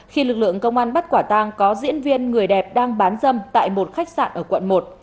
khi lực lượng công an bắt quả tang có diễn viên người đẹp đang bán dâm tại một khách sạn ở quận một